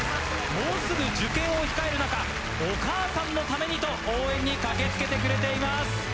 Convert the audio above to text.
もうすぐ受験を控える中お母さんのためにと応援に駆け付けてくれています。